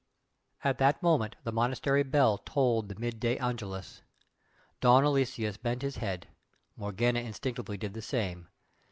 At that moment the monastery bell tolled the midday "Angelus." Don Aloysius bent his head Morgana instinctively did the same.